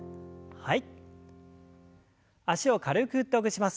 はい。